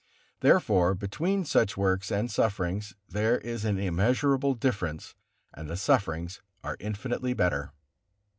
Therefore between such works and sufferings there is an immeasurable difference and the sufferings are infinitely better.